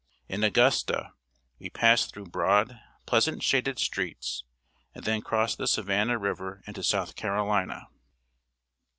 In Augusta, we passed through broad, pleasant shaded streets, and then crossed the Savannah river into South Carolina.